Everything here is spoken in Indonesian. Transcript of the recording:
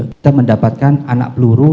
kita mendapatkan anak peluru